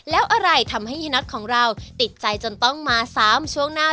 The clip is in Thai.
แล้วอะไรทำให้เฮียน็อตของเราติดใจจนต้องมา๓ช่วงหน้า